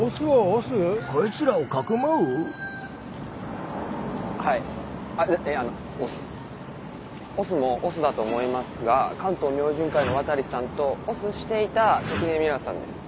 押忍も押忍だと思いますが関東明神会の渡さんと押忍していた関根ミラさんです。